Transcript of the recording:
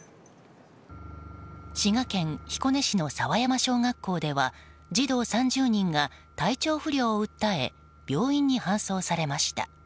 滋賀県彦根市の佐和山小学校では児童３０人が体調不良を訴え病院に搬送されました。